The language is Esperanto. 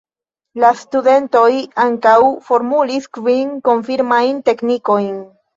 La studentoj ankaŭ formulis kvin "konfirmajn teknikojn".